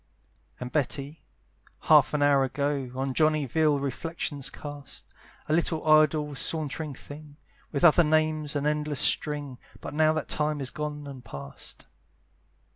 And Betty, half an hour ago, On Johnny vile reflections cast; "A little idle sauntering thing!" With other names, an endless string, But now that time is gone and past.